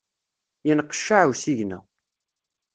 Yenqeccaε usigna.